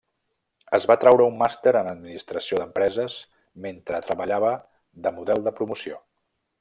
Es va traure un màster en administració d'empreses mentre treballava de model de promoció.